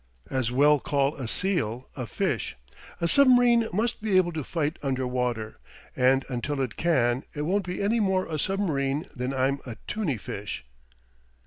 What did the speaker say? As well call a seal a fish. A submarine must be able to fight under water, and until it can it won't be any more a submarine than I'm a tunny fish."